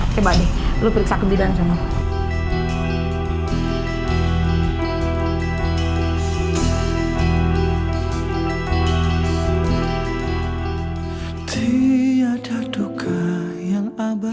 coba deh lu periksa kebidangan semua